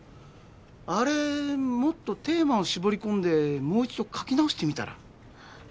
あれもっとテーマを絞りこんでもう一度書き直してみたら？